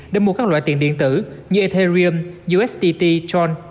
để mua các loại tiền điện tử như ethereum usdt tron